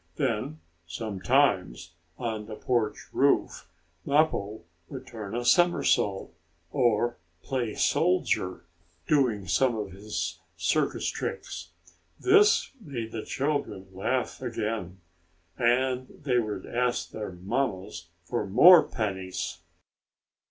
Then sometimes, on the porch roof, Mappo would turn a somersault, or play soldier, doing some of his circus tricks. This made the children laugh again, and they would ask their mammas for more pennies.